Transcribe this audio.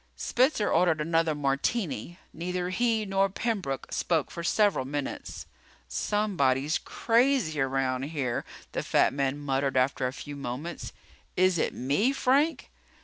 Spencer ordered another martini. Neither he nor Pembroke spoke for several minutes. "Somebody's crazy around here," the fat man muttered after a few moments. "Is it me, Frank?"